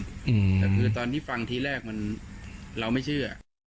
แต่คือตอนที่ฟังทีแรกมันเราไม่เชื่อ